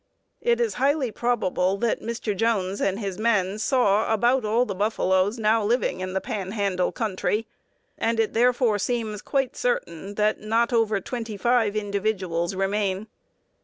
It is highly probable that Mr. Jones and his men saw about all the buffaloes now living in the Pan handle country, and it therefore seems quite certain that not over twenty five individuals remain.